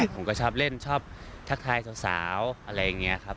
ผมก็ชอบเล่นชอบทักทายสาวอะไรอย่างนี้ครับ